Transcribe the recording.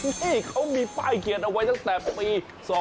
นี่เขามีป้ายเขียนเอาไว้ตั้งแต่ปี๒๕๖